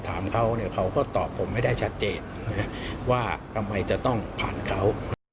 ถามเขาเนี่ยเขาก็ตอบผมให้ได้ชัดเจนว่าทำไมจะต้องผ่านเขา